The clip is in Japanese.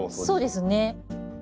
そうですね。